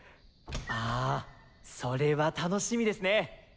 あぁそれは楽しみですね。